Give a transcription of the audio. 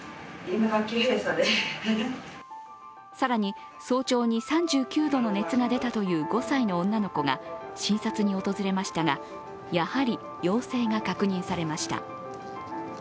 更に、早朝に３９度の熱が出たという５歳の女の子が診察に訪れましたがやはり陽性が確認されました。